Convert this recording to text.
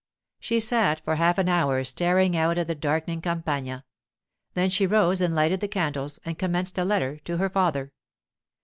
She sat for half an hour staring out at the darkening Campagna; then she rose and lighted the candles, and commenced a letter to her father.